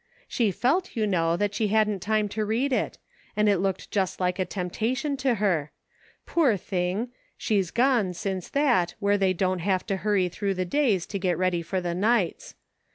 She felt, you know, that she hadn't time to read it ; and it looked just like a temptation to her. Poor thing ! she's gone, since that, where they don't have to hurry through the days to get ready for the nights.